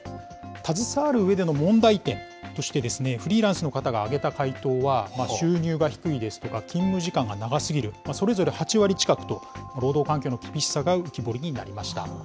携わるうえでの問題点として、フリーランスの方が挙げた回答は、収入が低いですとか、勤務時間が長すぎる、それぞれ８割近くと、労働環境の厳しさが浮き彫りになりました。